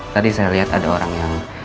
tadi saya lihat ada orang yang